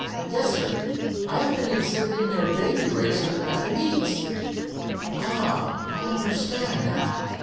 "Yes, sir, I have been exhibiting their Baby Racer at the meets." "Ah, I understand now."